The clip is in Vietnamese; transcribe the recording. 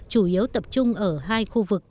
chủ yếu tập trung ở hai khu vực